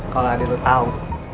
kalo adek lu tau